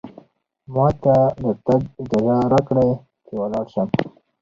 ما ته د تګ اجازه راکړئ، چې ولاړ شم.